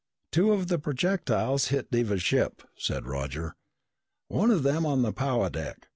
"Two of the projectiles hit Devers' ship," said Roger. "One of them on the power deck.